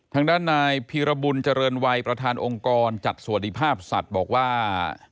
ทางด้านนายพีรบุญเจริญวัยประธานองค์กรจัดสวัสดิภาพสัตว์บอกว่า